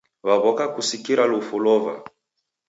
Waw'oka kusikira lufu lova.